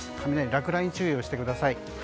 落雷に注意をしてください。